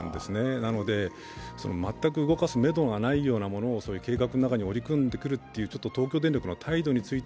なので、全く動かすめどがないようなものを計画の中に織り込んでくるという東京電力の態度について